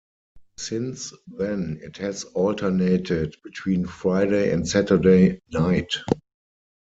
Since then it has alternated between Friday and Saturday night.